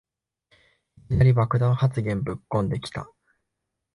いきなり爆弾発言ぶっこんできた